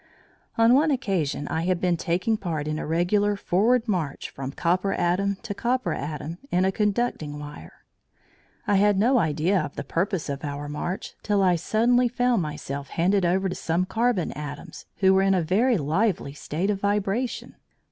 On one occasion I had been taking part in a regular forward march from copper atom to copper atom in a conducting wire. I had no idea of the purpose of our march till I suddenly found myself handed over to some carbon atoms, who were in a very lively state of vibration.